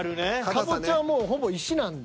カボチャはもうほぼ石なんで。